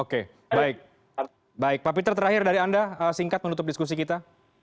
oke baik baik pak peter terakhir dari anda singkat menutup diskusi kita